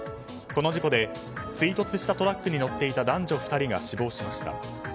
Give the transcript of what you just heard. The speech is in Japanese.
この事故で追突したトラックに乗っていた男女２人が死亡しました。